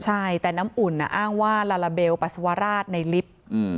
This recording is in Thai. ใช่แต่น้ำอุ่นอ้างว่าลาลาเบลปัสสาวราชในลิฟต์